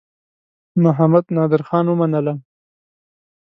محمدنادرخان ومنلم.